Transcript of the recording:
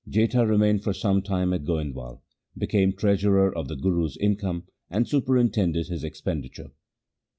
Jetha remained for some time at Goindwal, became treasurer of the Guru's income and superintended his expenditure.